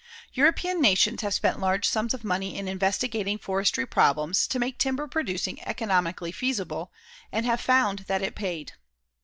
European nations have spent large sums of money in investigating forestry problems to make timber producing economically feasible, and have found that it paid.